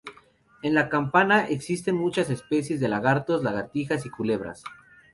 En La Campana existen muchas especies de lagartos, lagartijas y culebras.